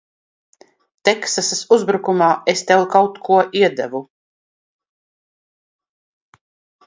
Teksasas uzbrukumā es tev kaut ko iedevu.